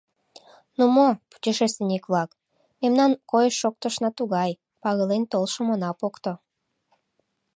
— Ну мо, путешественник-влак, мемнан койыш-шоктышна тугай: пагален толшым она покто!